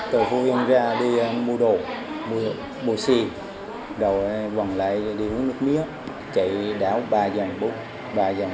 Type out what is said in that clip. từ phú yên ra đi mua đồ mua xe rồi vòng lại đi uống nước miếng chạy đảo ba dòng